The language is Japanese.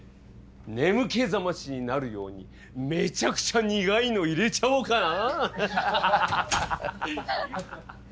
眠気覚ましになるようにめちゃくちゃ苦いのいれちゃおうかな？